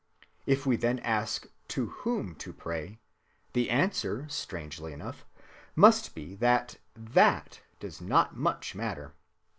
If we then ask to whom to pray, the answer (strangely enough) must be that that does not much matter.